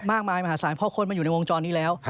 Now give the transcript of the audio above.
มากมายมหาศาลเพราะคนมาอยู่ในวงจรนี้แล้ว